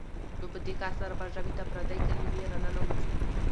نو په دې کار سره به ژبې ته پردۍ کلمې راننوځي.